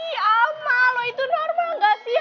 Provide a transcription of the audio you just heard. ih alma lo itu normal gak sih ampun anak kelas tiga